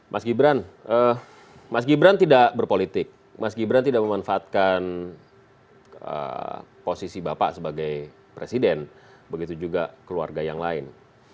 mas gibran mas gibran tidak berpolitik mas gibran tidak memanfaatkan posisi bapak sebagai presiden begitu juga keluarga yang lain